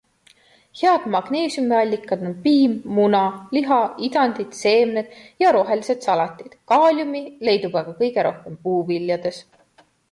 Head magneesiumiallikad on piim, muna, liha, idandid, seemned ja rohelised salatid, kaaliumi leidub aga kõige rohkem puuviljades.